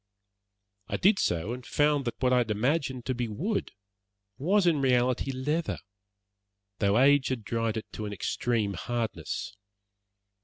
I did so, and found that what I had imagined to be wood was in reality leather, though age had dried it into an extreme hardness.